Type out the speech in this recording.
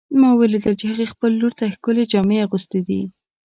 ما ولیدل چې هغې خپل لور ته ښکلې جامې اغوستې دي